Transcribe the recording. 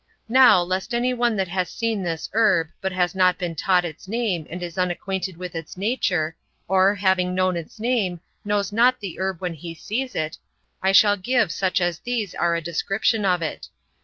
Now, lest any one that has seen this herb, but has not been taught its name, and is unacquainted with its nature, or, having known its name, knows not the herb when he sees it, I shall give such as these are a description of it.